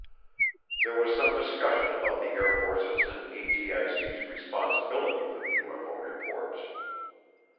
There was some discussion about the Air Force's and ATIC's responsibility for the UFO reports.